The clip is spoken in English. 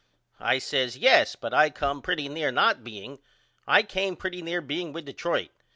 I says Yes but I come pretty near not being. I came pretty near being with Detroit.